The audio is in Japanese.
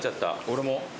俺も。